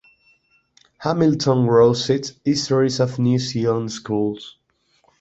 Hamilton wrote six histories of New Zealand schools.